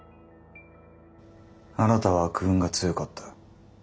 あなたは悪運が強かった。